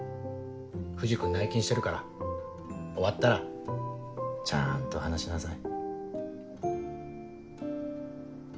藤君内勤してるから終わったらちゃんと話しなさい。